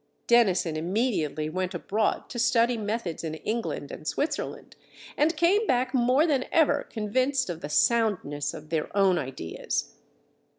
Dennison immediately went abroad to study methods in England and Switzerland and came back more than ever convinced of the soundness of their own ideas.